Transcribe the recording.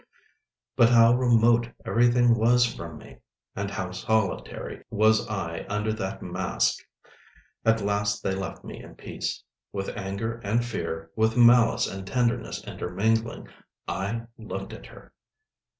But how remote everything was from me! And how solitary was I under that mask! At last they left me in peace. With anger and fear, with malice and tenderness intermingling, I looked at her.